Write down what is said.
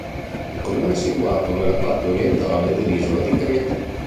Il comune è situato nella parte orientale dell'isola di Creta.